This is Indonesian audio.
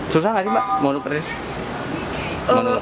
susah gak sih mbak menukarnya